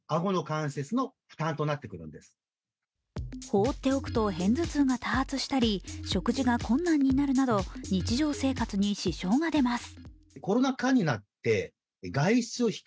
放っておくと偏頭痛が多発したり、食事が困難になるなど日常生活に支障が出ます。